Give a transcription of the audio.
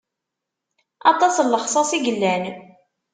Aṭas n lexṣaṣ i yellan.